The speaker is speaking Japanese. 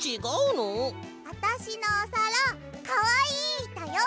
あたしのおさらかわいいだよ！